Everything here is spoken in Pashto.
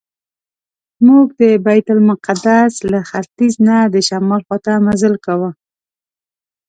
موږ د بیت المقدس له ختیځ نه د شمال خواته مزل کاوه.